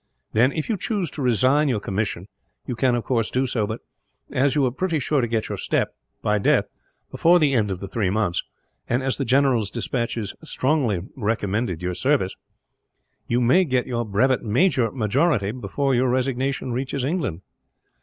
Then, if you choose to resign your commission, you can of course do so but, as you are pretty sure to get your step, by death, before the end of the three months; and as the general's despatches strongly recommend your services, you may get your brevet majority before your resignation reaches England.